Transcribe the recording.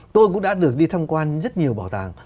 tôi cũng đã được đi tham quan rất nhiều bảo tàng